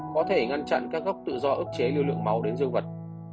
có thể ngăn chặn các góc tự do ức chế liều lượng máu đến dương vật